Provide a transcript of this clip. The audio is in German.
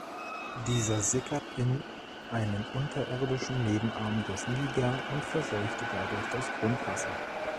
Dieser sickert in einen unterirdischen Nebenarm des Niger und verseucht dadurch das Grundwasser.